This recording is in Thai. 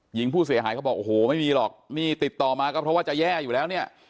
หญิงผู้เสียหายเขาบอกโอ้โหไม่มีหรอกนี่ติดต่อมาก็เพราะว่าจะแย่อยู่แล้วเนี่ย